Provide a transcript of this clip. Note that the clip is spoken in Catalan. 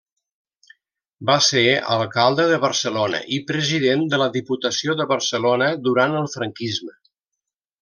Va ser alcalde de Barcelona, i president de la Diputació de Barcelona durant el franquisme.